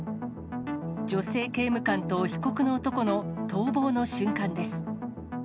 女性刑務官と、被告の男の逃亡の瞬間です。